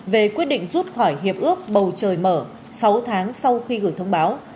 về quyết định rút khỏi hiệp ước bầu trời mở sáu tháng sau khi gửi thông báo